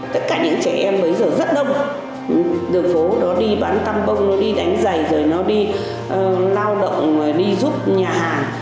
tất cả những trẻ em bây giờ rất đông từ phố nó đi bán tăm bông nó đi đánh giày rồi nó đi lao động đi giúp nhà hàng